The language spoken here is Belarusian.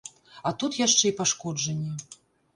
А тут яшчэ і пашкоджанні.